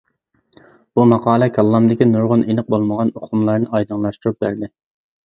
بۇ ماقالە كاللامدىكى نۇرغۇن ئېنىق بولمىغان ئۇقۇملارنى ئايدىڭلاشتۇرۇپ بەردى.